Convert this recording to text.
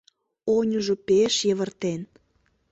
Оньыжо пеш йывыртен.